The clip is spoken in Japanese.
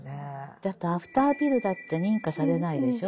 だってアフターピルだって認可されないでしょう。